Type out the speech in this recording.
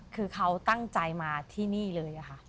คือเขาตั้งใจมาที่นี่เลยค่ะ